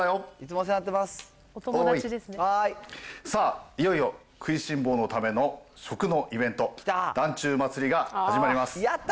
さあ、いよいよ食いしん坊のための食のイベント、ダンチュウ祭が始まります。